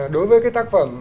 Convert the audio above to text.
đối với cái tác phẩm